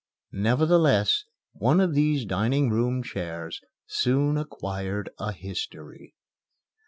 Nevertheless, one of these dining room chairs soon acquired a history.